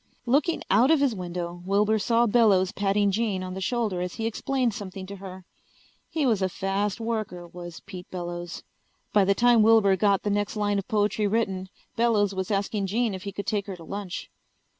Looking out of his window, Wilbur saw Bellows patting Jean on the shoulder as he explained something to her. He was a fast worker, was Pete Bellows. By the time Wilbur got the next line of poetry written Bellows was asking Jean if he could take her to lunch.